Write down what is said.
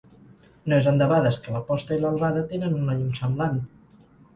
No és endebades que la posta i l’albada tenen una llum semblant.